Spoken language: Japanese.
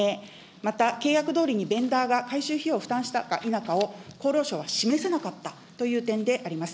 また、契約どおりにベンダーが改修費用を負担したか否かを厚労省は示さなかったという点であります。